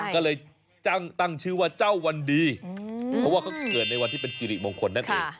ก็เลยตั้งชื่อว่าเจ้าวันดีเพราะว่าเขาเกิดในวันที่เป็นสิริมงคลนั่นเอง